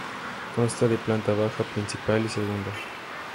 Consta de planta baja, principal y segunda.